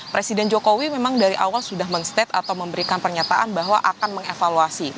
presiden jokowi memang dari awal sudah men state atau memberikan pernyataan bahwa akan mengevaluasi